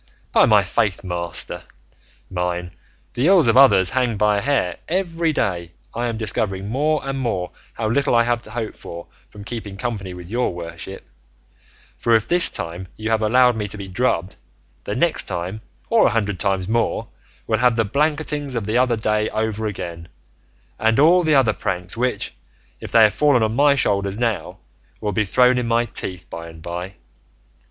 By my faith, master mine, the ills of others hang by a hair; every day I am discovering more and more how little I have to hope for from keeping company with your worship; for if this time you have allowed me to be drubbed, the next time, or a hundred times more, we'll have the blanketings of the other day over again, and all the other pranks which, if they have fallen on my shoulders now, will be thrown in my teeth by and by.